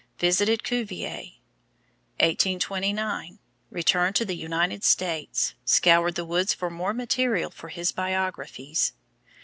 Visited Cuvier. 1829 Returned to the United States, scoured the woods for more material for his biographies.